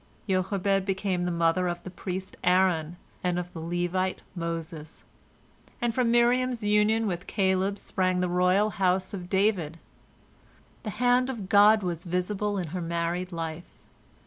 Jochebed became the mother of the priest Aaron and of the Levite Moses, and from Miriam's union with Caleb sprang the royal house of David. The hand of God was visible in her married life.